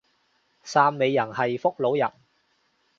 汕尾人係福佬人